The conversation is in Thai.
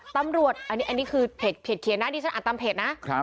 ตำรวจอันนี้คือเพจเขียนนะดิฉันอ่านตามเพจนะ